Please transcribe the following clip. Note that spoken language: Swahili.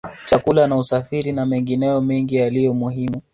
Chakula na usafiri na mengineyo mengi yaliyo muhimu